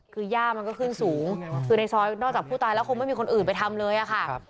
คือย่ามันก็ขึ้นสูงคือในซอยนอกจากผู้ตายแล้วคงไม่มีคนอื่นไปทำเลยอะค่ะ